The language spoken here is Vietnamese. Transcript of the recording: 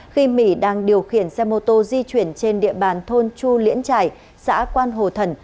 khi mỹ đang điều khiển xe mô tô di chuyển trên địa bàn thôn chu liễn trải xã quan hồ thần